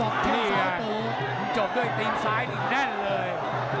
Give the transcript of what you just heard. นี่ไงมันจบด้วยตีนซ้ายดินแน่นเลย